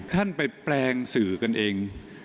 ท่านไปแปลงสื่อกันเอง